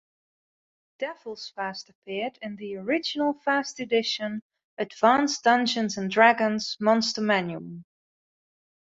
Devils first appeared in the original first edition "Advanced Dungeons and Dragons" "Monster Manual".